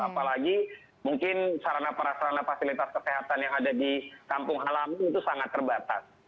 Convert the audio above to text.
apalagi mungkin sarana perasarana fasilitas kesehatan yang ada di kampung halaman itu sangat terbatas